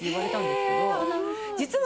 実は。